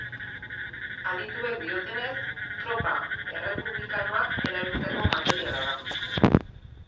Adituek diotenez, tropa errepublikanoak erabilitako materiala da.